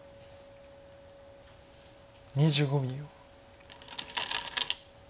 ２５秒。